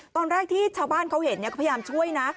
ตอนแรกที่ชาวบ้านเขาเห็นเขาพยายามช่วยนะ